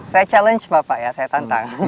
saya challenge pak pak ya saya tantang